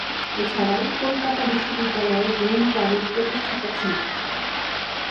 এছাড়াও কলকাতা বিশ্ববিদ্যালয়ের রোয়িং ক্লাবের প্রতিষ্ঠাতা ছিলেন তিনি।